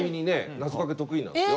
なぞかけ得意なんですよ。